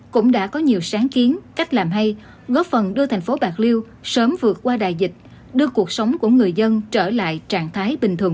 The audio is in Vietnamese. cũng đã có nhiều sáng kiến cách làm hay góp phần đưa thành phố bạc liêu sớm vượt qua đại dịch đưa cuộc sống của người dân trở lại trạng thái bình thường